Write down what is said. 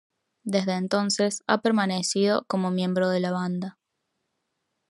Desde ese entonces ha permanecido como miembro de la banda.